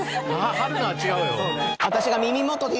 春菜は違うよ。